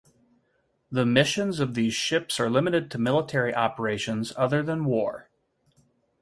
The missions of these ships are limited to military operations other than war.